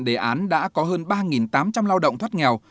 đề án đã có hơn ba tám trăm linh lao động thoát nghèo